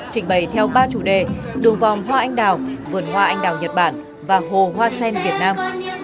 trình bày theo ba chủ đề đường vòng hoa anh đào vườn hoa anh đào nhật bản và hồ hoa sen việt nam